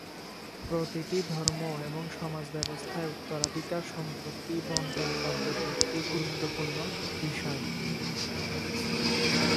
প্রতিটি ধর্ম এবং সমাজ ব্যবস্থায় উত্তরাধিকার সম্পত্তির বণ্টন পদ্ধতি একটি গুরুত্বপূর্ণ বিষয়।